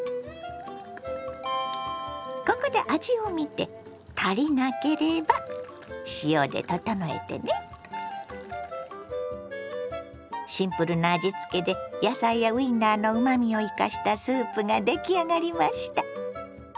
ここでシンプルな味付けで野菜やウインナーのうまみを生かしたスープが出来上がりました。